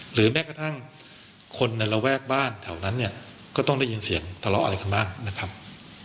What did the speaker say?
แม้กระทั่งคนในระแวกบ้านแถวนั้นเนี่ยก็ต้องได้ยินเสียงทะเลาะอะไรกันบ้างนะครับ